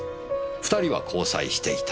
２人は交際していた。